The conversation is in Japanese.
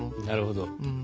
なるほど。